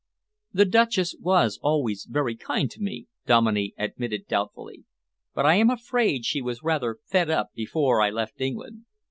"The Duchess was always very kind to me," Dominey admitted doubtfully, "but I am afraid she was rather fed up before I left England."